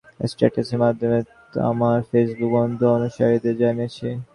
আমি সেই সংশোধনীর কথা স্ট্যাটাসের মাধ্যমে আমার ফেসবুক বন্ধু, অনুসারীদের জানিয়েছি।